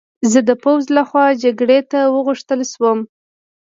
زه د پوځ له خوا جګړې ته وغوښتل شوم